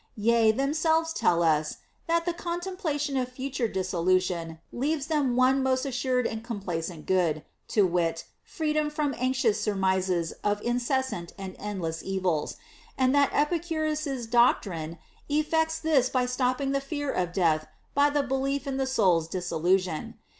30. Yea, themselves tell us, that the contemplation of future dissolution leaves them one most assured and com placent good, to wit, freedom from anxious surmises of incessant and endless evils, and that Epicurus's doctrine effects this by stopping the fear of death by the belief in the soul's dissolution.